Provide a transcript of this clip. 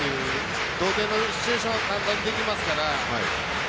同点のシチュエーションは簡単にできますから。